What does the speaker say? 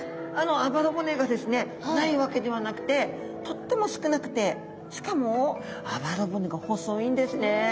あばら骨がですねないわけではなくてとっても少なくてしかもあばら骨が細いんですね。